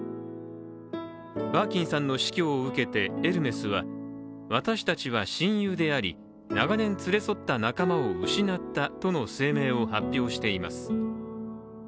バーキンさんの死去を受けてエルメスは、私たちは親友であり長年連れ添った仲間を失ったとの声明を発表しています。